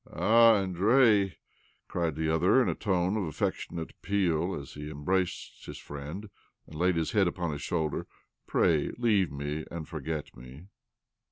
" Ah, Andrei," cried the other in a tone of affectionate appeal as he embraced his friend and laid his head upon his shoulder, " Pray leave me and — forget me."